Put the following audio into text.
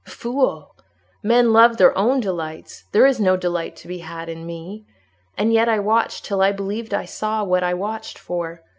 Fool! men love their own delights; there is no delight to be had in me. And yet I watched till I believed I saw what I watched for.